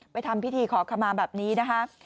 ทำพิธีขอขมาแบบนี้นะคะ